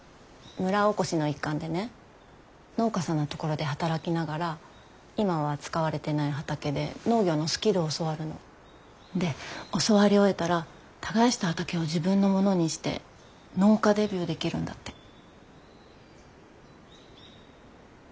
村おこしの一環でね農家さんのところで働きながら今は使われてない畑で農業のスキルを教わるの。で教わり終えたら耕した畑を自分のものにして農家デビューできるんだって。